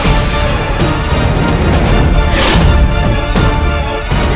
ketika kanda menang kanda menang